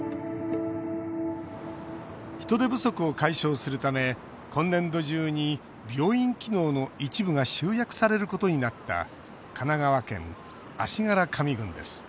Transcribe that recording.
人手不足を解消するため今年度中に病院機能の一部が集約されることになった神奈川県足柄上郡です